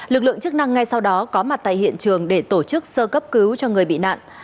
lực lượng chức năng ngay sau đó có mặt tại hiện trường để tổ chức sơ cấp cứu cho người bị nạn